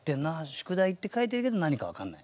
「宿題」って書いてるけど何か分かんない。